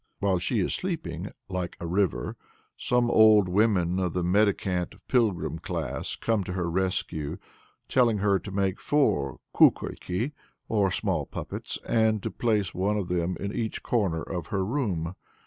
While she is weeping "like a river," some old women of the mendicant pilgrim class come to her rescue, telling her to make four Kukolki, or small puppets, and to place one of them in each corner of her room.